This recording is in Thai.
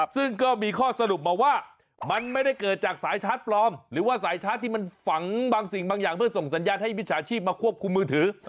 ซึ่งก็มีข้อสรุปมาว่ามันไม่ได้เกิดจากสายชาร์จปลอมหรือว่าสายชาร์จที่มันฝังบางสิ่งบางอย่างเพื่อส่งสัญญาณให้มิจฉาชีพมาควบคุมมือถือ